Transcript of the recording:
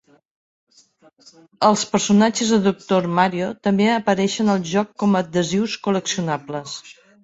Els personatges de "Doctor Mario" també apareixen al joc com a adhesius col·leccionables.